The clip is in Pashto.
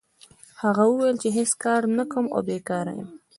هغه وویل چې هېڅ کار نه کوم او بیکاره یم.